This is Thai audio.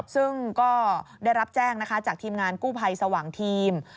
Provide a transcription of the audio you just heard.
ซึ่งก็ได้รับแจ้งนะคะจากทีมงานกู้ภัยสว่างทีม